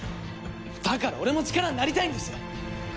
だから俺も力になりたいんです！